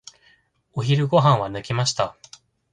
お昼ご飯は抜きました。